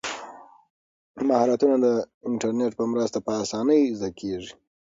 مهارتونه د انټرنیټ په مرسته په اسانۍ زده کیږي.